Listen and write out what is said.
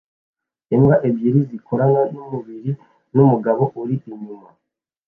Imbwa ebyiri zikorana numubiri numugabo uri inyuma